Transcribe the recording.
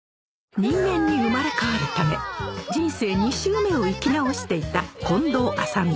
人間に生まれ変わるため人生２周目を生き直していた近藤麻美